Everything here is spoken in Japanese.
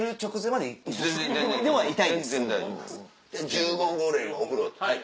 １５分後ぐらいにお風呂。